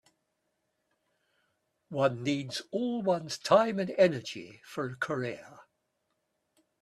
One needs all one's time and energy for a career.